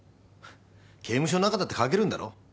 刑務所の中だって書けるんだろ？